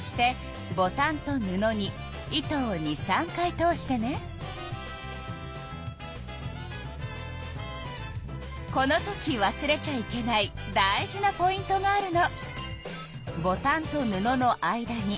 そしてこのときわすれちゃいけない大事なポイントがあるの。